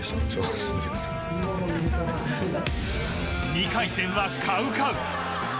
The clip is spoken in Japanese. ２回戦はＣＯＷＣＯＷ。